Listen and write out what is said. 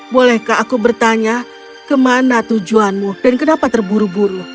bolehkah aku bertanya kemana tujuanmu dan kenapa terburu buru